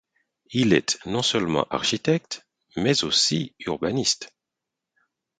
Il est non seulement architecte mais aussi urbaniste.